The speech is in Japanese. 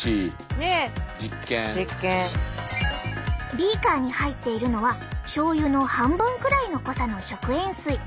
ビーカーに入っているのはしょうゆの半分くらいの濃さの食塩水。